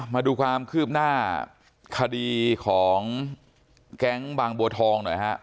มาดูความคืบหน้าคดีของแก๊งบางบัวทองหน่อยฮะ